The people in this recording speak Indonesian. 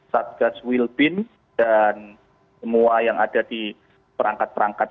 satgas wilbin dan semua yang ada di perangkat perangkat